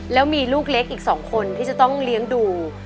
แล้วมีลูกเล็กอีก๒คนที่จะต้องเลี้ยงดู